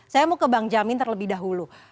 saya mau ke bang jamin terlebih dahulu